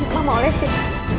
mama oleh sih